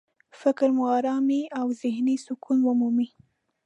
فکر مو ارامي او ذهني سکون مومي.